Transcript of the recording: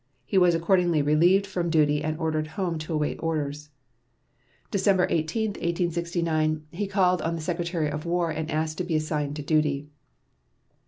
He was accordingly relieved from duty and ordered home to await orders. December 18, 1869, he called on the Secretary of War and asked to be assigned to duty.